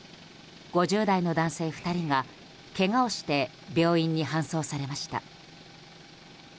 ５０代の男性２人がけがをして病院に搬送されました。